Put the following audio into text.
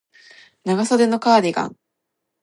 長袖のカーディガン